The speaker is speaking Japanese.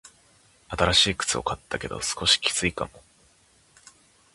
新しい靴を買ったけど、少しきついかも。